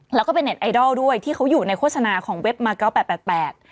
แล้วก็เป็นเน็ตไอดอลด้วยที่เขาอยู่ในโฆษณาของเว็บมาเก้าแปดแปดแปด